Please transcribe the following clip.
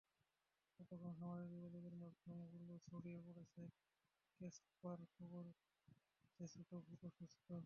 ততক্ষণে সামাজিক যোগাযোগের মাধ্যমগুলোয় ছড়িয়ে পড়েছে ক্যাসপার, খবর হয়েছে ছোট্ট ভূত অসুস্থ।